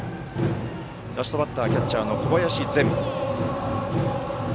ラストバッターキャッチャーの小林然。